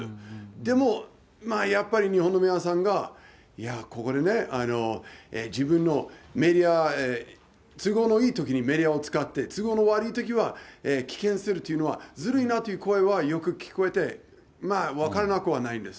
でも、まあやっぱり日本の皆さんが、いや、ここでね、自分のメディア、都合のいいときにメディアを使って、都合の悪いときには棄権するっていうのは、ずるいなという声はよく聞こえて、まあ分からなくはないです。